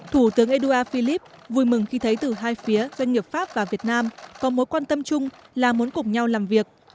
thủ tướng édouard philip vui mừng khi thấy từ hai phía doanh nghiệp pháp và việt nam có mối quan tâm chung là muốn cùng nhau làm việc